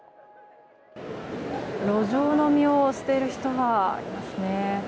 路上飲みをしている人がいますね。